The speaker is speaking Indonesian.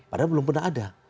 padahal belum pernah ada